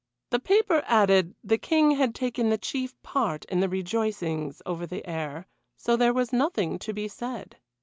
The paper added, the King had taken the chief part in the rejoicings over the heir, so there was nothing to be said.